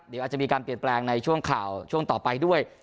เดี๋ยวอาจจะมีการเปลี่ยนแปลงในช่วงข่าวช่วงต่อไปด้วย